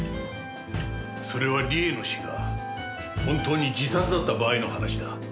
それは理恵の死が本当に自殺だった場合の話だ。